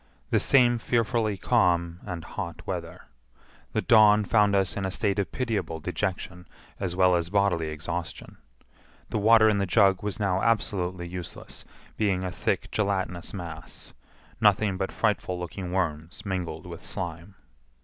The same fearfully calm and hot weather. The dawn found us in a state of pitiable dejection as well as bodily exhaustion. The water in the jug was now absolutely useless, being a thick gelatinous mass; nothing but frightful looking worms mingled with slime.